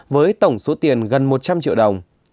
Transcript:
với tổng số tiền gần một trăm linh triệu đồng